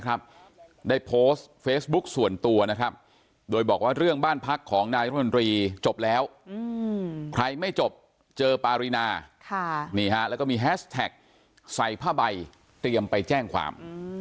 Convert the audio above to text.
แอสแท็กใส่ผ้าใบเตรียมไปแจ้งความ